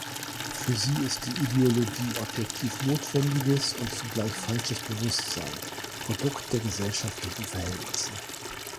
Für sie ist Ideologie „objektiv notwendiges und zugleich falsches Bewusstsein“, Produkt der gesellschaftlichen Verhältnisse.